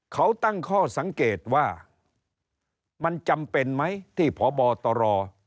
เขาตั้งข้อสังเกตว่ามันจำเป็นไหมที่พบตร